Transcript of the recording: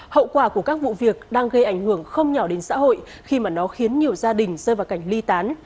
hậu quả của các vụ việc đang gây ảnh hưởng không nhỏ đến xã hội khi mà nó khiến nhiều gia đình rơi vào cảnh ly tán